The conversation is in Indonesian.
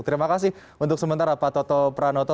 terima kasih untuk sementara pak toto pranoto